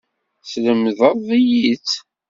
Teslemdeḍ-iyi-tt.